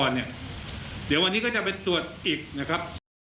เดี๋ยววันนี้ก็จะไปตรวจอีกนะครับ